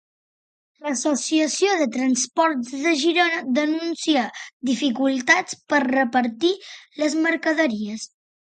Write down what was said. L'Associació de Transports de Girona denuncia dificultats per repartir les mercaderies.